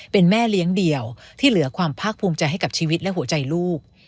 เป็นแม่เลี้ยงเดี่ยวที่เหลือความภาคภูมิใจให้กับชีวิตและหัวใจลูก